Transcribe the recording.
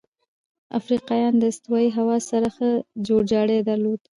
افریقایان د استوایي هوا سره ښه جوړجاړی درلود.